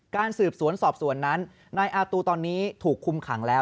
การสืบสวนสอบสวนนั้นนายอาตูตอนนี้ถูกคุมขังแล้ว